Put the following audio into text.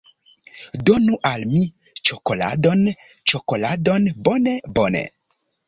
Donu al mi ĉokoladon. Ĉokoladon. Bone. Bone.